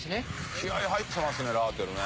気合入ってますねラーテルね。